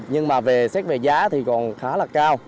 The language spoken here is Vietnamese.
nhưng mà về xét về giá thì còn khá là cao